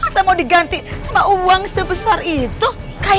yang membuat semua orang terbelalak